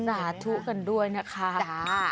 สาธุกันด้วยนะคะ